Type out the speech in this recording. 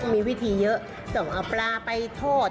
มีวิธีเยอะส่งเอาปลาไปทอด